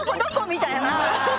みたいな。